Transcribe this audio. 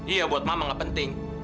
iya buat mama gak penting